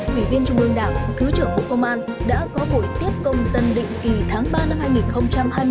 quỷ viên trung ương đảng thứ trưởng bộ công an đã có buổi tiếp công dân định kỳ tháng ba năm hai nghìn hai mươi bốn